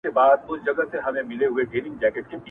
قرنطین دی لګېدلی د سرکار امر چلیږي.!